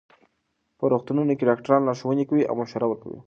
په روغتونونو کې ډاکټران لارښوونې کوي او مشوره ورکوي.